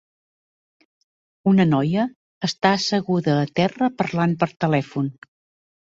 Una noia està asseguda a terra parlant per telèfon.